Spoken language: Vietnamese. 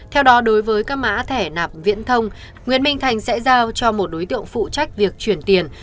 theo đó đối với các mã thẻ nạp viễn thông nguyễn minh thành sẽ giao cho một đối tượng phụ trách việc chuyển tiền